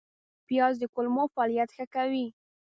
پیاز د کولمو فعالیت ښه کوي